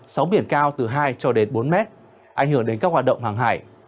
sóng biển cao từ hai cho đến bốn mét ảnh hưởng đến các hoạt động hàng hải